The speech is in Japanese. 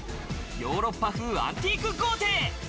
ヨーロッパ風アンティーク豪邸。